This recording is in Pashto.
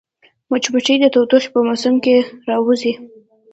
مچمچۍ د تودوخې په موسم کې راووځي